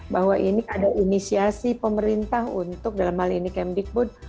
bahwa ini ada inisiasi pemerintah untuk dalam hal ini kemdikbud